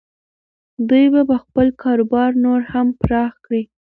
دوی به خپل کاروبار نور هم پراخ کړي.